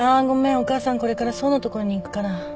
お母さんこれから想の所に行くから。